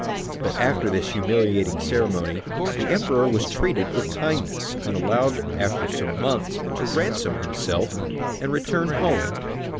But after this humiliating ceremony the Emperor was treated with kindness, and allowed after some months to ransom himself and return home.